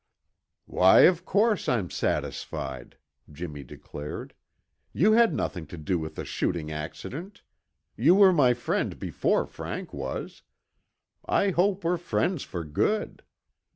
"Why, of course I'm satisfied," Jimmy declared. "You had nothing to do with the shooting accident; you were my friend before Frank was. I hope we're friends for good.